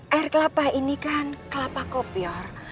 air kelapa ini kan kelapa kopior